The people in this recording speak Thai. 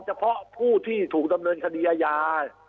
เฉพาะผู้ที่ถูกดำเนินคดีอาญา